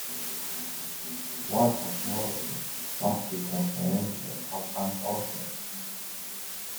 While patrolling, Buffy and Angel have an argument.